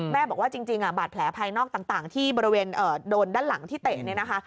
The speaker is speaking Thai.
บอกว่าจริงบาดแผลภายนอกต่างที่บริเวณโดนด้านหลังที่เตะเนี่ยนะคะ